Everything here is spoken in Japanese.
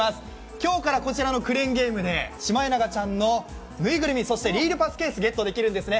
今日からこちらのクレーンゲームでシマエナガちゃんの縫いぐるみそしてリールパスケース、ゲットできるんですね。